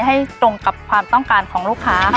ให้ตรงกับความต้องการของลูกค้า